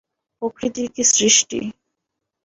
প্রকৃতির কী সৃষ্টি।